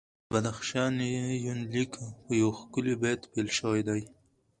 د بدخشان یونلیک په یو ښکلي بیت پیل شوی دی.